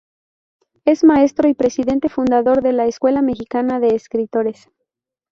Es maestro y presidente fundador de la Escuela Mexicana de Escritores.